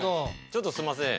ちょっとすんません。